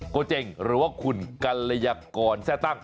เจ๋งหรือว่าคุณกัลยากรแซ่ตั้ง